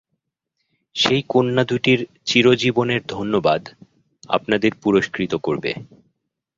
সেই কন্যা দুটির চিরজীবনের ধন্যবাদ আপনাদের পুরস্কৃত করবে।